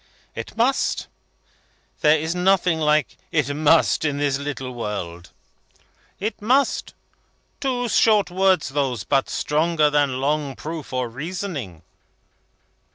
"It must. There is nothing like 'it must' in this little world. It must. Two short words those, but stronger than long proof or reasoning."